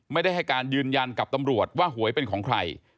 ไม่ได้ให้การยืนยันกับตำรวจว่าหวยเป็นของใคร